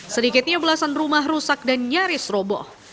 sedikitnya belasan rumah rusak dan nyaris roboh